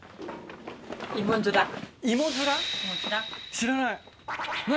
知らない何？